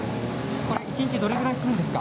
一日どれぐらいするんですか？